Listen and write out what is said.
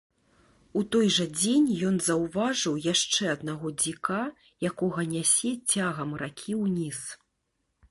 У той жа дзень ён заўважыў яшчэ аднаго дзіка, якога нясе цягам ракі ўніз.